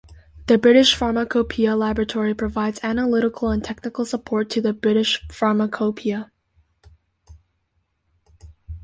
The British Pharmacopoeia Laboratory provides analytical and technical support to the British Pharmacopoeia.